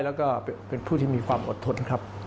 แล้วก็เป็นผู้ที่มีความอดทนครับ